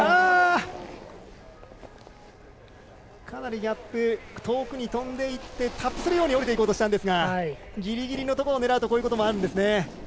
かなりギャップ遠くにとんでいってタップするように降りていこうとしましたがギリギリのところを狙うとこういうことがあるんですね。